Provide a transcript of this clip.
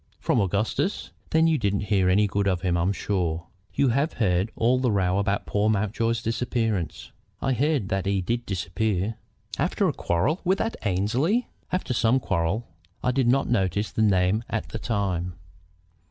"From Augustus? Then you didn't hear any good of him, I'm sure. You have heard all the row about poor Mountjoy's disappearance?" "I heard that he did disappear." "After a quarrel with that Annesley?" "After some quarrel. I did not notice the name at the time."